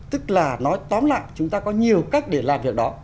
tức là nói tóm lại chúng ta có nhiều cách để làm việc đó